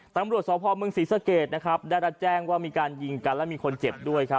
ตังค์บริษัทสพมศรีษะเกียจได้รัดแจ้งว่ามีการยิงกันและมีคนเจ็บด้วย